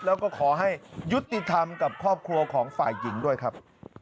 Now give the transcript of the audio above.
แล้วก็ขอให้ยุติธรรมกับครอบครัวของฝ่ายหญิงด้วยครับ